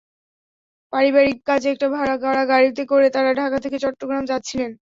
পারিবারিক কাজে একটি ভাড়া করা গাড়িতে করে তাঁরা ঢাকা থেকে চট্টগ্রাম যাচ্ছিলেন।